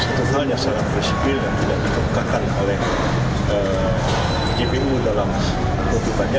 satu hal yang sangat prinsipil dan tidak dikemukakan oleh jpu dalam kutipannya